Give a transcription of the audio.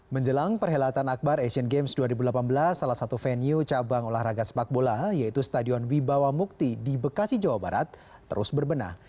menjelang perhelatan akbar asian games dua ribu delapan belas salah satu venue cabang olahraga sepak bola yaitu stadion wibawa mukti di bekasi jawa barat terus berbenah